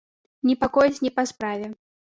Непакояць не па справе.